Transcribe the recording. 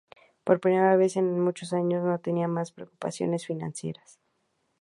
Por primera vez en muchos años, no tenía más preocupaciones financieras.